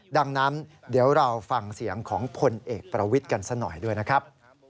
ดังนั้นเดี๋ยวเราฟังเสียงของพลเอกประวิทย์กันซะหน่อยด้วยนะครับ